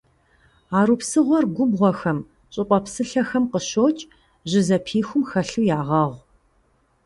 Арупсыгъуэр губгъуэхэм, щӏыпӏэ псылъэхэм къыщокӏ, жьы зэпихум хэлъу ягъэгъу.